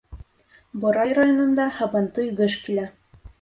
Борай районында һабантуй гөж килә.